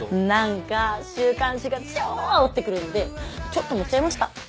何か週刊誌が超あおってくるんでちょっと盛っちゃいました。